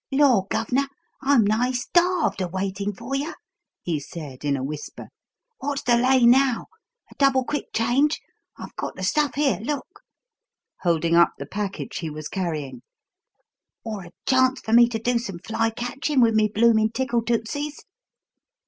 "Law, Gov'nor, I'm nigh starved a waitin' for yer!" he said in a whisper. "Wot's the lay now? A double quick change? I've got the stuff here, look!" holding up the package he was carrying "or a chance for me to do some fly catchin' with me bloomin' tickle tootsies?"